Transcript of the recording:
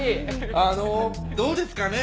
あのどうですかね？